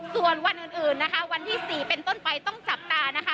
ส่วนวันอื่นนะคะวันที่๔เป็นต้นไปต้องจับตานะคะ